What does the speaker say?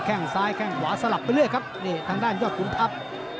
แค่งซ้ายแข้งขวาสลับไปเรื่อยครับนี่ทางด้านยอดขุนทัพ